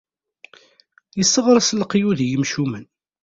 Isseɣres leqyud n yimcumen.